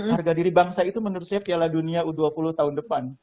harga diri bangsa itu menurut saya piala dunia u dua puluh tahun depan